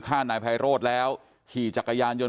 นายไพโรธแล้วขี่จักรยานยนต